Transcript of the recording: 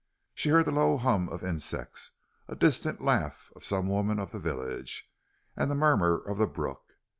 She heard the low hum of insects, a distant laugh of some woman of the village, and the murmur of the brook.